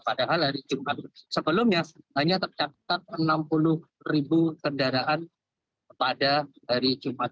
padahal hari jumat sebelumnya hanya tercatat enam puluh ribu kendaraan pada hari jumat